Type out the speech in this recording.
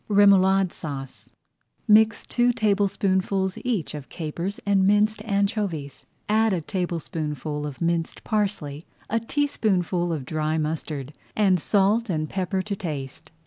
REMOULADE SAUCE Mix two tablespoonfuls each of capers and minced anchovies, add a tablespoonful of minced parsley, a teaspoonful of dry mustard, and salt and pepper to taste.